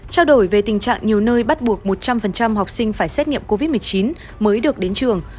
trao đổi về tình trạng nhiều nơi bắt buộc một trăm linh học sinh phải xét nghiệm covid một mươi chín mới được đến trường